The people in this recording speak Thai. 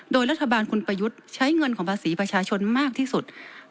โดยรัฐบาลคุณประยุทธ์ใช้เงินของภาษีประชาชนมากที่สุด